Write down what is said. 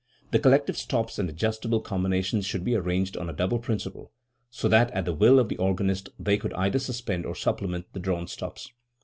The collective stops and the adjustable combinations should be arranged on a double principle, so that at the will of the organist they could either suspend or supplement the drawn stops.